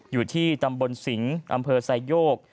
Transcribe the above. อยู่ที่ตำบลสิงห์อำเภอไซโยก